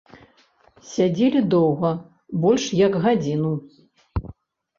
Сядзелі доўга, больш як гадзіну.